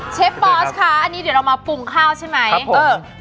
เชฟบอสค่ะอันนี้เดี๋ยวเรามาปรุงข้าวใช่ไหมเกิดเลยเออ